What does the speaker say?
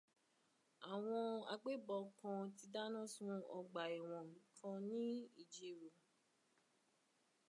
Àwọn agbébọn kan ti dáná sun ọgbà ẹ̀wọ̀n kan ní Ìjerò